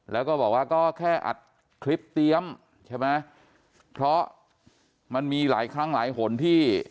แล้วก็บอกว่าก็แค่อัดคลิปเตรียมใช่ไหมเพราะมันมีหลายครั้งหลายหนที่